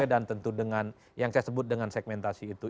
dan tentu dengan yang saya sebut dengan segmentasi itu